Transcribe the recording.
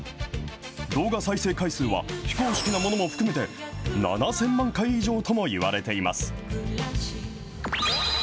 動画再生回数は、非公式なものも含めて、７０００万回以上ともいわれています。